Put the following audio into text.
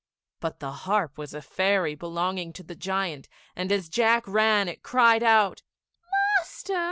But the harp was a fairy belonging to the giant, and as Jack ran, it cried out, "Master!